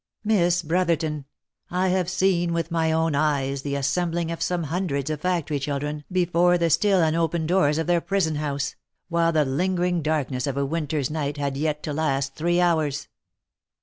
Miss Brotherton, I have seen with my own eyes the as sembling of some hundreds of factory children before the still unopened doors of their prison house, while the lingering darkness of a winter's night had yet to last three hours.